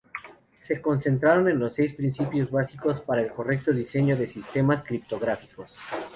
Se concretaron en los seis principios básicos para el correcto diseño de sistemas criptográficos.